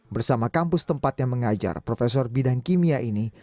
bersama kampus tempat yang mengajar profesor bidang kimia ini